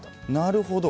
なるほど。